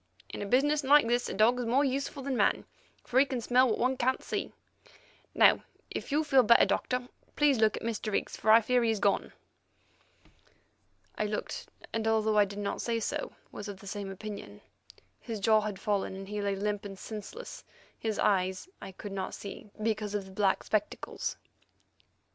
In a business like this a dog is more useful than man, for he can smell what one can't see. Now, if you feel better, Doctor, please look at Mr. Higgs, for I fear he's gone." I looked, and, although I did not say so, was of the same opinion. His jaw had fallen, and he lay limp and senseless; his eyes I could not see, because of the black spectacles.